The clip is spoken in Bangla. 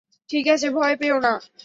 ঠিক আছে, ভয় পেয়ো না।